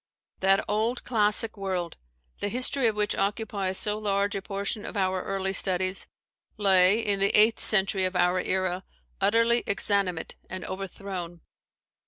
That old classic world, the history of which occupies so large a portion of our early studies, lay, in the eighth century of our era, utterly exanimate and overthrown.